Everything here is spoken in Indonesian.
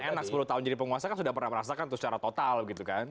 enak sepuluh tahun jadi penguasa kan sudah pernah merasakan tuh secara total gitu kan